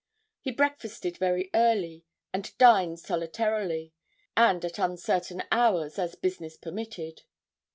He breakfasted very early, and dined solitarily, and at uncertain hours, as business permitted.